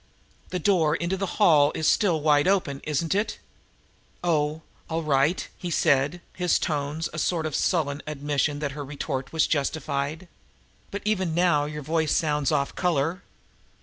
"The door into the hall is still wide open, isn't it?" "Oh, all right!" he said, his tones a sort of sullen admission that her retort was justified. "But even now your voice sounds off color."